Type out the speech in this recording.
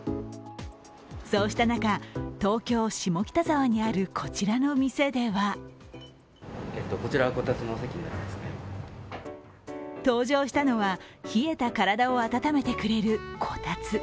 そうした中、東京・下北沢にあるこちらの店では登場したのは、冷えた体を温めてくれるこたつ。